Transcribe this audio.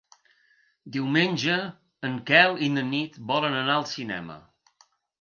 Diumenge en Quel i na Nit volen anar al cinema.